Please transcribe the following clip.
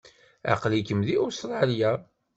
Aql-ikem deg Ustṛalya?